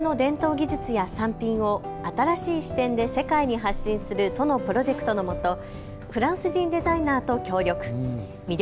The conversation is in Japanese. そこで宮本さんたちは東京の伝統技術や産品を新しい視点で世界に発信する都のプロジェクトのもと、フランス人デザイナーと協力。